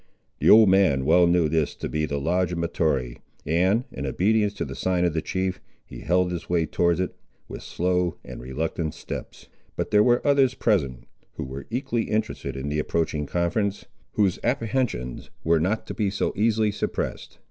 The old man well knew this to be the lodge of Mahtoree, and, in obedience to the sign of the chief, he held his way towards it with slow and reluctant steps. But there were others present, who were equally interested in the approaching conference, whose apprehensions were not to be so easily suppressed.